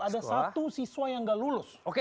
ada satu siswa yang gak lulus